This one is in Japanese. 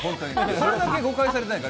それだけ誤解されていないか。